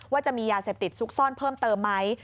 ว่าจะมียาเสพติดซุกซ่อนเพิ่มเติมไหม